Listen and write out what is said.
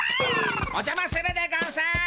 おじゃまするでゴンス。